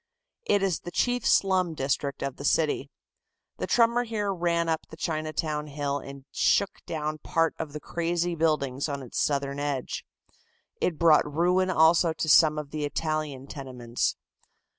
It is the chief slum district of the city. The tremor here ran up the Chinatown hill and shook down part of the crazy buildings on its southern edge. It brought ruin also to some of the Italian tenements.